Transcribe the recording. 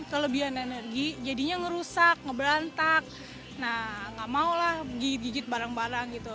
kelebihan energi jadinya ngerusak ngeberantak nah enggak mau lah gigit gigit barang barang gitu